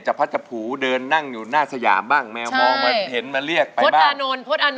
พัชผูเดินนั่งอยู่หน้าสยามบ้างแมวมองมาเห็นมาเรียกไปบ้าง